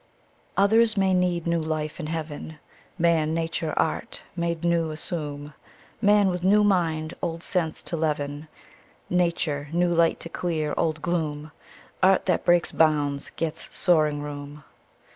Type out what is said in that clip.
Others may need new life in Heaven — Man, Nature, Art —made new, assume ! Man with new mind old sense to leaven. Nature — new light to clear old gloom, Art that breaks bounds, gets soaring room.